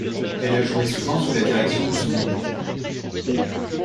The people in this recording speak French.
Elle a joué souvent sous la direction de son époux.